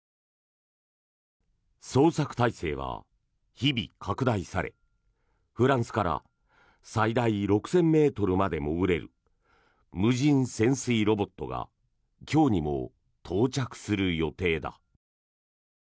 捜索態勢は日々、拡大されフランスから最大６０００ｍまで潜れる無人潜水ロボットが今日にも到着する予定だ。